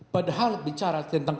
padahal bicara tentang